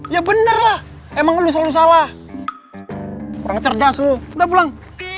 ya bener lah emang lu selalu salah kurang cerdas lu udah pulang